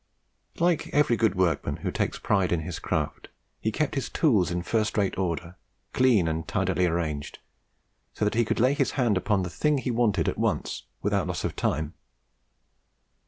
Like every good workman who takes pride in his craft, he kept his tools in first rate order, clean, and tidily arranged, so that he could lay his hand upon the thing he wanted at once, without loss of time.